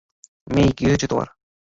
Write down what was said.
মেই, কী হয়েছে তোমার?